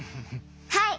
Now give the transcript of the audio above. はい。